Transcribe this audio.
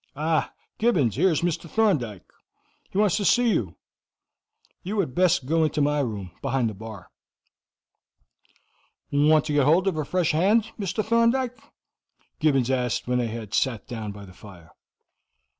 Ah, Gibbons, here is Mr. Thorndyke. He wants to see you; you had best go into my room behind the bar." "Want to get hold of a fresh hand, Mr. Thorndyke?" Gibbons asked when they had sat down by the fire.